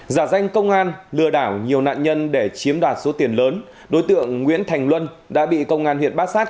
giả danh công an lừa đảo nhiều nạn nhân để chiếm đoạt số tiền lớn đối tượng nguyễn thành luân đã bị công an huyện bát sát